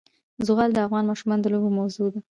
زغال د افغان ماشومانو د لوبو موضوع ده.